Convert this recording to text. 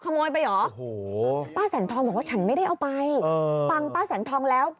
ไปเหรอโอ้โหป้าแสงทองบอกว่าฉันไม่ได้เอาไปฟังป้าแสงทองแล้ว